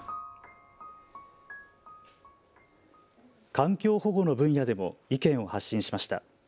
環境保護の分野でも意見を発信しました。